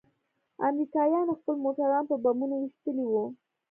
امريکايانوخپل موټران په بمونو ويشتلي وو.